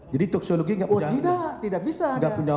jadi toksikologi gak punya